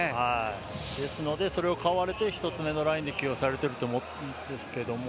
ですので、それを買われて１つ目のラインで起用されていると思うんですが。